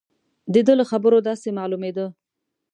د ده له خبرو داسې معلومېده.